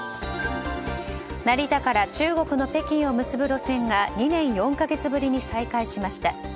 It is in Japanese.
成田から中国の北京を結ぶ路線が２年４か月ぶりに再開しました。